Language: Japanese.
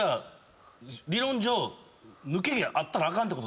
理論上抜け毛あったらあかんってことですか？